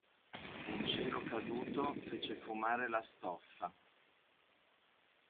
Un cero caduto fece fumare la stoffa.